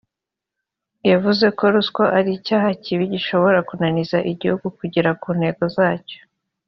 yavuze ko ruswa ari icyaha kibi gishobora kunaniza igihugu kugera ku ntego zacyo